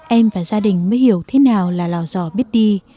em và gia đình mới hiểu thế nào là lò giò biết đi